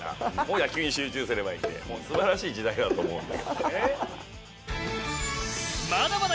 野球に集中すればいいのですばらしい時代だと思います。